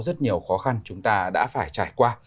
rất nhiều khó khăn chúng ta đã phải trải qua